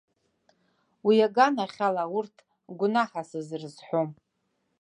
Уи аганахьала урҭ гәнаҳа сызрызҳәом.